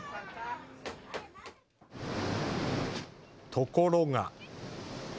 ところが。